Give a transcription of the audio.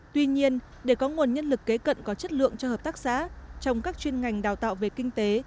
tuy nhiên để có nguồn nhân lực kế cận có chất lượng cho hợp tác xã trong các chuyên ngành đào tạo về kinh tế